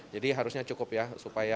jadi harusnya cukup ya